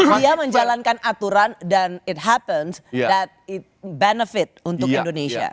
dia menjalankan aturan dan it happens that i benefit untuk indonesia